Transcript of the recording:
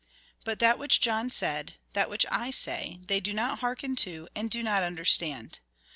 But that which John said, that which I say, they do not hearken to, and do not understand.